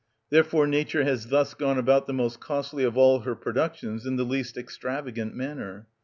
Therefore nature has thus gone about the most costly of all her productions in the least extravagant manner.